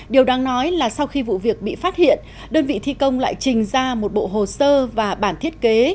điều đáng nói là sau khi vụ việc bị phát hiện đơn vị thi công lại trình ra một bộ hồ sơ và bản thiết kế